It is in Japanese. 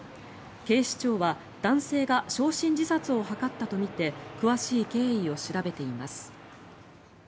警視庁は男性が焼身自殺を図ったとみて詳しい経緯を調べています。